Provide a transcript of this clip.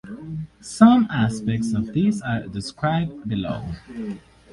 Some aspects of these are described below.